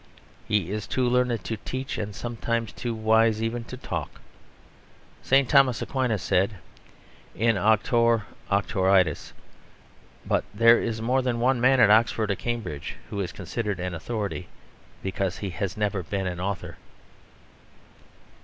He is too learned to teach, and sometimes too wise even to talk. St. Thomas Aquinas said: "In auctore auctoritas." But there is more than one man at Oxford or Cambridge who is considered an authority because he has never been an author.